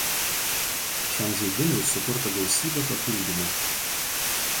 Šiam žaidimui sukurta gausybė papildymų.